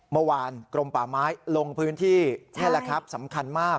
เมื่อวานกรมป่าไม้ลงพื้นที่นี่แหละครับสำคัญมาก